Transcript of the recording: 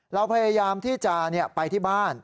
เราพยายามที่จะไปที่บ้าน